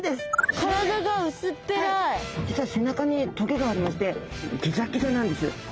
実は背中にトゲがありましてギザギザなんです。